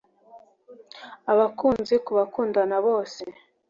Abakunzi kubakundana bose